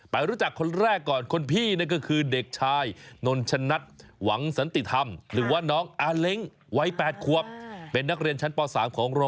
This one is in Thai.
ไปรู้จักคนแรกก่อน